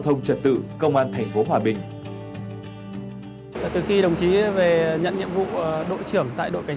thông trật tự công an thành phố hòa bình kể từ khi đồng chí về nhận nhiệm vụ đội trưởng tại đội cảnh